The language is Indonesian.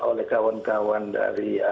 oleh kawan kawan dari